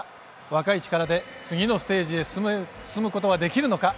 若い力で次のステージへ進むことができるのか。